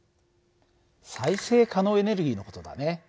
再生可能エネルギーの事だね。